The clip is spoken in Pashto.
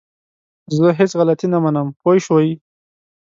زه هيڅ غلطي نه منم! پوه شوئ!